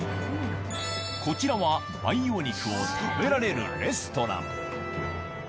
こちらは培養肉を食べられるレストラン。